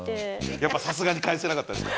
やっぱさすがに返せなかったですか？